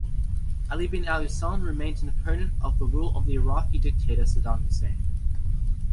Ali bin Al-Hussein remained an opponent of the rule of Iraqi dictator Saddam Hussein.